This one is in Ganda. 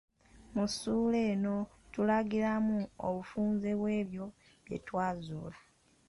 Mu ssuula eno, tulagiramu obufunze bw’ebyo bye twazuula.